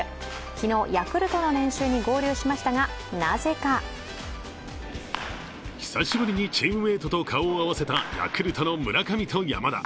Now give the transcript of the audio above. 昨日、ヤクルトの練習に合流しましたが、なぜか久しぶりにチームメートと顔を合わせたヤクルトの村上と山田。